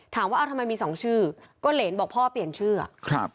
ถามว่าเอาทำไมมีสองชื่อก็เหรนบอกพ่อเปลี่ยนชื่อครับ